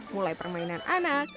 mulai permainan anak